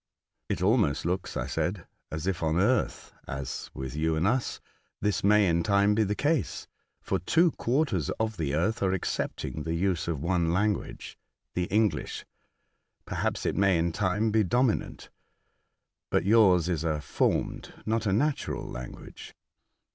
'' It almost looks," I said, ''as if on earth, as with you and us, this may in time be the case, for two quarters of the earth are accepting the use of one language — the English. Perhaps it may in time be dominant. But yours is a formed, not a natural language."